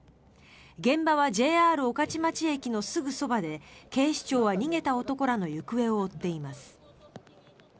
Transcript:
現場はＪＲ御徒町駅のすぐそばで警視庁は逃げた男らの行方を追っています。